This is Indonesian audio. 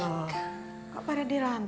ikan beritik yang